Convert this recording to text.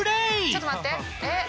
ちょっと待ってえっ？